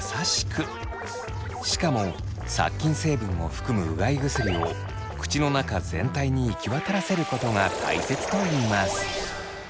しかも殺菌成分を含むうがい薬を口の中全体に行き渡らせることが大切といいます。